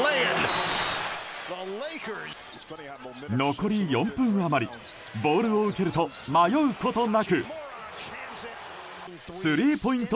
残り４分余りボールを受けると、迷うことなくスリーポイント